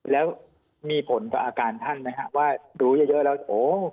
แล้วมีผลต่ออาการท่านไหมฮะว่ารู้เยอะแล้วโอ้